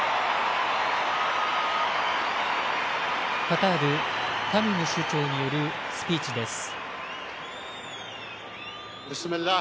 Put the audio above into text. カタール、タミム首長によるスピーチです。